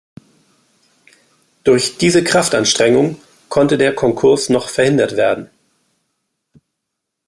Durch diese Kraftanstrengung konnte der Konkurs noch verhindert werden.